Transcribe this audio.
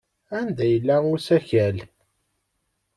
Anda yella usakal?